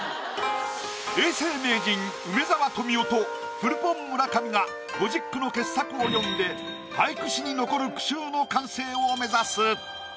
永世名人梅沢富美男とフルポン村上が５０句の傑作を詠んで俳句史に残る句集の完成を目指す。